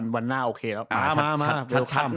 วันหน้าโอเคแล้ว